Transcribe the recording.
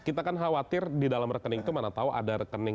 kita kan khawatir di dalam rekening itu mana tahu ada rekening